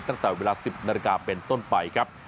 ตั้งแต่เวลา๑๐นาฬิกาเป็นต้นไปครับ